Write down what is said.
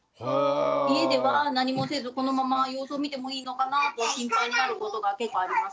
家では何もせずこのまま様子を見てもいいのかなって心配になることが結構あります。